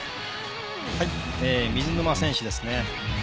水沼選手です。